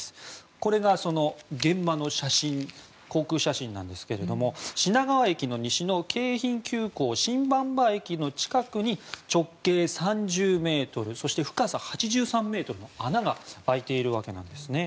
これが現場の航空写真なんですが品川駅の西の京浜急行新馬場駅の近くに直径３０ｍ、深さ８３ｍの穴が開いているわけなんですね。